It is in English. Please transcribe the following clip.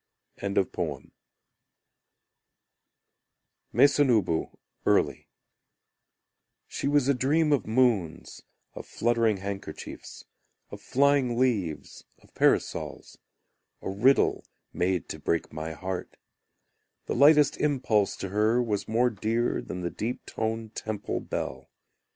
Masonubu Early She was a dream of moons, of fluttering handkerchiefs, Of flying leaves, of parasols, A riddle made to break my heart; The lightest impulse To her was more dear than the deep toned temple bell.